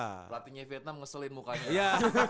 kalau di vietnam ngeselin mukanya